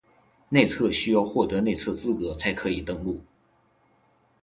内测需要获得内测资格才可以登录